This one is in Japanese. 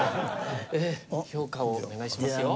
評価をお願いしますよ。